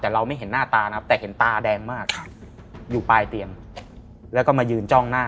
แต่เราไม่เห็นหน้าตานะครับแต่เห็นตาแดงมากอยู่ปลายเตียงแล้วก็มายืนจ้องหน้า